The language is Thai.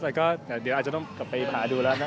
แต่ก็เดี๋ยวอาจจะต้องกลับไปหาดูแล้วกัน